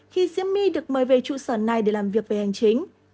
khi diêm my được mời về trụ sở này để làm việc về hành chính